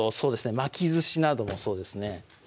巻きずしなどもそうですね